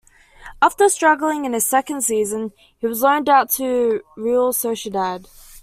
After struggling in his second season, he was loaned out to Real Sociedad.